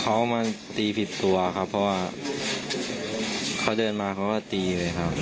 เขามาตีผิดตัวครับเพราะว่าเขาเดินมาเขาก็ตีเลยครับ